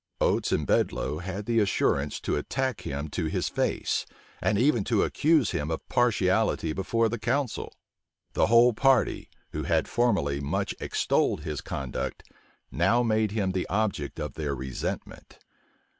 Oates and Bedloe had the assurance to attack him to his face, and even to accuse him of partiality before the council. The whole party, who had formerly much extolled his conduct, now made him the object of their resentment.